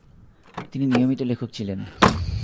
তিনি নিয়মিত লেখক ছিলেন।